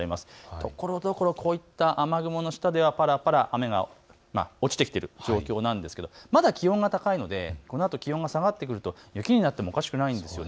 ところどころ雨雲の下ではぱらぱら雨が落ちてきている状況なんですがまだ気温が高いのでこのあと気温が下がってくると雪になってもおかしくないんです。